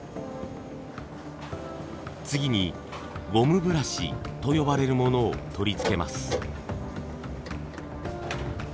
次にゴムブラシと呼ばれるものを取り付けます。